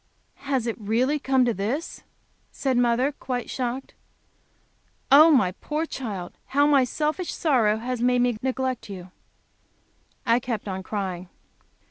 "Has it really come this!" said mother, quite shocked. "Oh, my poor child, how my selfish sorrow has made me neglect you." I kept on crying.